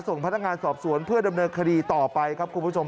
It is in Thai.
ส่งพนักงานสอบสวนเพื่อดำเนินคดีต่อไปครับคุณผู้ชม